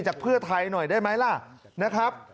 เพื่อไทยหน่อยได้ไหมล่ะนะครับ